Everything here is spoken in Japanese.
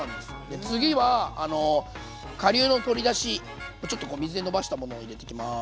で次は顆粒の鶏だしちょっとこう水でのばしたものを入れていきます。